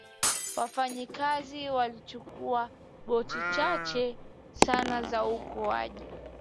wafanyakazi walichukua boti chache sana za uokoaji